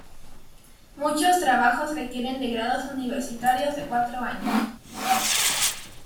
Muchos trabajos requieren de grados universitarios de cuatro años.